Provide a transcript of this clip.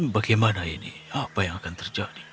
bagaimana ini apa yang akan terjadi